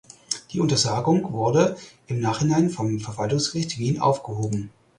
Die Untersagung wurde im Nachhinein vom Verwaltungsgericht Wien aufgehoben.